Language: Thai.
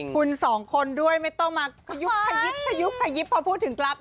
คุณสองคนด้วยไม่ต้องมายุบขยิบพอพูดถึงกรับนะ